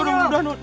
udah udah udah